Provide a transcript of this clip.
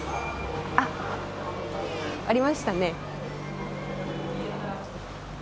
あありましたね。